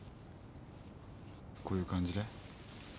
こういう感じで？